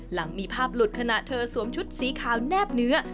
หลังมีภาพหลุดขณะเธอสวมชุดสีขาวแนบเนื้อ